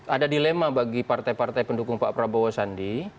ada dilema bagi partai partai pendukung pak prabowo sandi